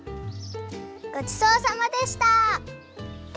ごちそうさまでした！